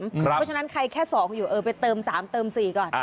เพราะฉะนั้นใครแค่๒อยู่เออไปเติม๓เติม๔ก่อน